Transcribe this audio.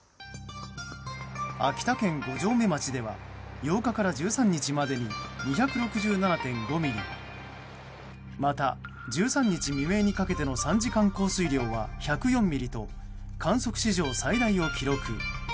秋田県五城目町では８日から１３日までに２６７．５ミリまた、同日未明にかけての３時間降水量は１０４ミリと観測史上最大を記録。